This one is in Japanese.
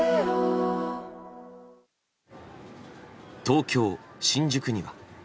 東京・新宿には。